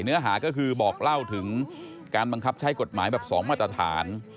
เนื้อหาก็คือบอกเล่าถึงการบังคับใช้กฎหมายแบบ๒มาตรฐาน